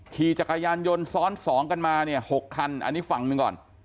ขี่จักรยานยนต์ซ้อน๒กันมาเนี่ย๖คันอันนี้ฝั่งหนึ่งก่อน